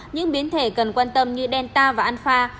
những biến thể cần quan tâm như delta và alfa